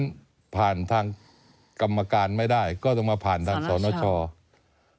ก็ต้องมาผ่านทางกรรมการไม่ได้ก็ต้องมาผ่านทางสรรชาว